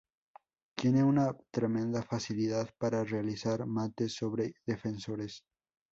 Tiene una tremenda facilidad para realizar mates sobre defensores.